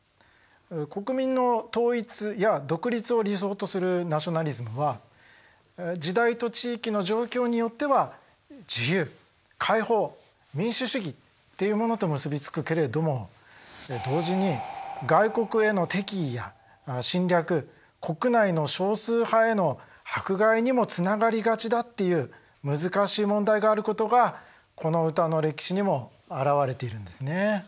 国民の統一や独立を理想とするナショナリズムは時代と地域の状況によっては自由解放民主主義っていうものと結びつくけれども同時に外国への敵意や侵略国内の少数派への迫害にもつながりがちだっていう難しい問題があることがこの歌の歴史にもあらわれているんですね。